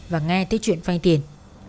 và nghe thấy chuyện vai tiền